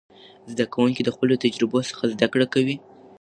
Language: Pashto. زده کوونکي د خپلو تجربو څخه زده کړه کوي.